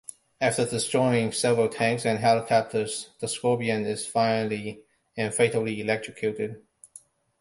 After destroying several tanks and helicopters, the scorpion is finally and fatally electrocuted.